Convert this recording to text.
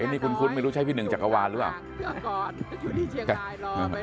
นี่คุ้นไม่รู้ใช่พี่หนึ่งจักรวาลหรือเปล่า